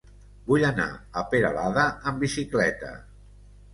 Vull anar a Peralada amb bicicleta.